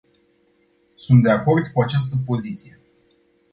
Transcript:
Sunt de acord cu această poziție.